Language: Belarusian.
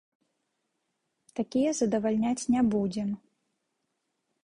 Такія задавальняць не будзем.